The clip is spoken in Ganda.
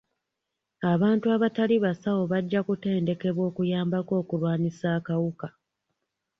Abantu abatali basawo bajja kutendekebwa okuyambako okulwanisa akawuka.